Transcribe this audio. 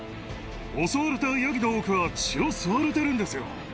襲われたヤギの多くは血を吸われてるんですよ。